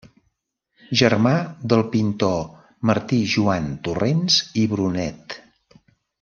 Germà del pintor Martí Joan Torrents i Brunet.